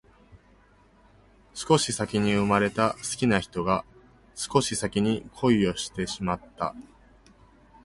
少し先に生まれた好きな人が少し先に恋をしてしまった